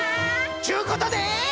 ちゅうことで。